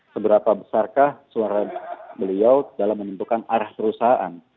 seberapa besarkah suara beliau dalam menentukan arah perusahaan